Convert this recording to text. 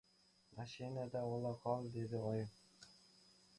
— Mashinada ola qoling, — dedi oyim.